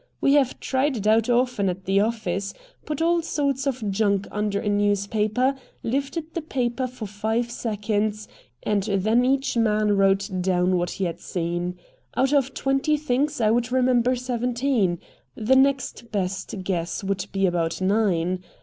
We have tried it out often at the office; put all sorts of junk under a newspaper, lifted the newspaper for five seconds, and then each man wrote down what he had seen. Out of twenty things I would remember seventeen. The next best guess would be about nine.